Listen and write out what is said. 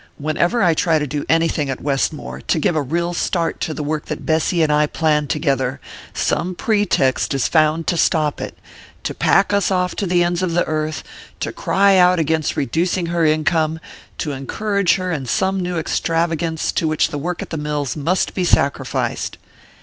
Whenever I try to do anything at Westmore to give a real start to the work that Bessy and I planned together some pretext is found to stop it: to pack us off to the ends of the earth, to cry out against reducing her income, to encourage her in some new extravagance to which the work at the mills must be sacrificed!"